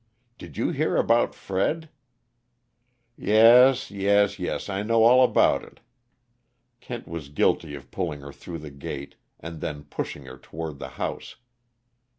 Did you hear about Fred " "Yes, yes, yes, I know all about it!" Kent was guilty of pulling her through the gate, and then pushing her toward the house.